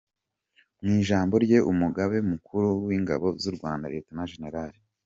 Mu ijambo rye Umugaba Mukuru w’Ingabo z’u Rwanda, Lt Gen.